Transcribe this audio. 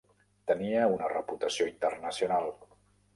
Tenia una reputació internacional.